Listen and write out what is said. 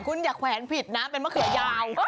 คุณอย่าแขวนผิดนะเป็นมะเขือยาว